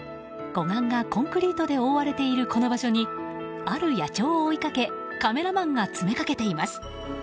コンクリートで覆われているこの場所に、ある野鳥を追いかけカメラマンが詰めかけています。